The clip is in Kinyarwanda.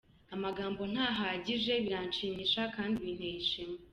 Amagambo ntahagije, biranshimishije kandi binteye ishema.